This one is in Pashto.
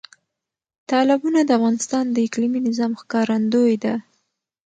تالابونه د افغانستان د اقلیمي نظام ښکارندوی ده.